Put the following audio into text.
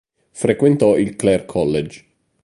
Frequentò il Clare College.